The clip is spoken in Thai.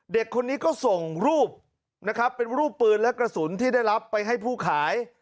เด็กคนนี้ก็ส่งรูปนะครับเป็นรูปปืนและกระสุนที่ได้รับไปให้ผู้ขาย